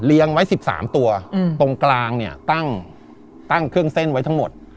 ไว้๑๓ตัวตรงกลางเนี่ยตั้งเครื่องเส้นไว้ทั้งหมด